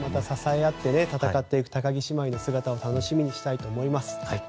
支え合って戦っていく高木姉妹の姿を楽しみにしたいと思います。